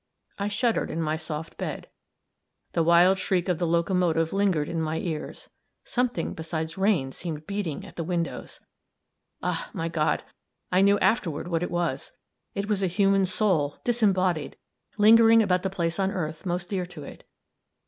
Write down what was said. I shuddered in my soft bed; the wild shriek of the locomotive lingered in my ears; something besides rain seemed beating at the windows. Ah, my God! I knew afterward what it was. It was a human soul, disembodied, lingering about the place on earth most dear to it.